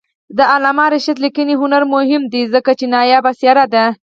د علامه رشاد لیکنی هنر مهم دی ځکه چې نایابه څېره ده.